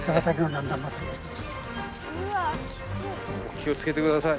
気をつけてください。